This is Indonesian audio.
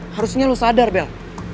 harusnya lo sadar bel